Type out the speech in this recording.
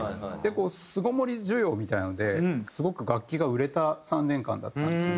巣ごもり需要みたいなのですごく楽器が売れた３年間だったんですよね。